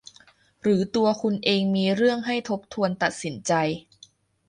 หรือตัวคุณเองมีเรื่องให้ทบทวนตัดสินใจ